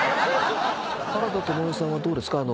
原田知世さんはどうですか？